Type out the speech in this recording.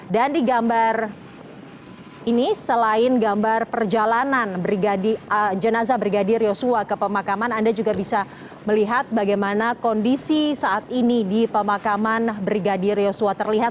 dan di gambar ini selain gambar perjalanan jenazah brigadir yosua ke pemakaman anda juga bisa melihat bagaimana kondisi saat ini di pemakaman brigadir yosua terlihat